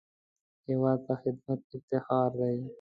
هېواد ته خدمت افتخار دی